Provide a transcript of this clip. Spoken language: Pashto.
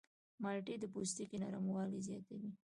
مالټې د پوستکي نرموالی زیاتوي.